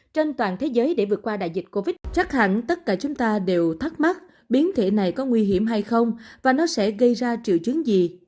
trên toàn thế giới để vượt qua đại dịch covid chắc hẳn tất cả chúng ta đều thắc mắc biến thể này có nguy hiểm hay không và nó sẽ gây ra triệu chứng gì